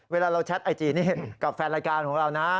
เวลาเราแชทไอจีนี่กับแฟนรายการของเรานะ